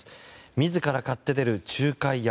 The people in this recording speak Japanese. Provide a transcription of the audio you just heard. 自ら買って出る、仲介役。